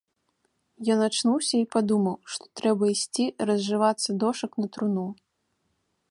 Ён ачнуўся і падумаў, што трэба ісці разжывацца дошак на труну.